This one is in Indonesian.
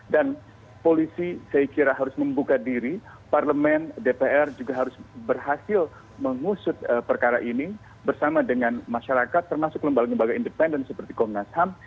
dan polisi saya kira harus membuka diri parlemen dpr juga harus berhasil mengusut perkara ini bersama dengan masyarakat termasuk lembaga lembaga independen seperti komnas ham